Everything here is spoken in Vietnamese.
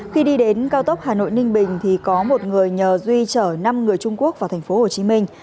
khi đi đến cao tốc hà nội ninh bình có một người nhờ duy trở năm người trung quốc vào tp hồ chí minh